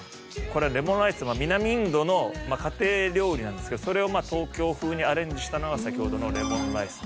このレモンライスは南インドの家庭料理なんですけどそれをまあ東京風にアレンジしたのが先ほどのレモンライス。